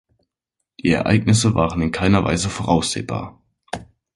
Die Ereignisse waren in keiner Weise voraussehbar.